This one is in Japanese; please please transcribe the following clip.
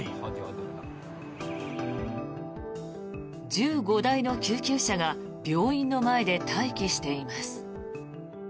１５台の救急車が病院の前で待機しています。